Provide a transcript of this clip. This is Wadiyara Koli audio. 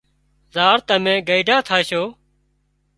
زار تمين گئيڍا ٿاشو